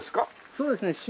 そうですね。